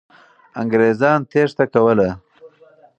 انګریزان تېښته کوله.